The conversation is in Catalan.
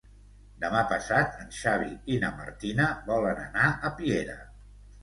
Demà passat en Xavi i na Martina volen anar a Piera.